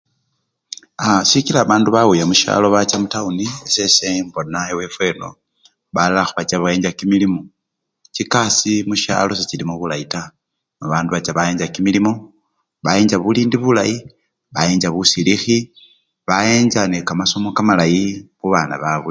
A! sikila babandu bawuya musyalo bacha mutawuni, eses embona ewefwe eno balala bacha khebayencha kimilimo, chikasii musyalo sechilimo bulayi taa nono bandu bacha bayencha kimilimo, bayencha bulindi bulayi, bayencha busilikhi, bayencha nekamasomo kamalayi khubana babwe.